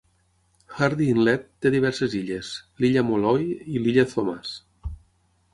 Hardy Inlet té diverses illes: l'illa Molloy i l'illa Thomas.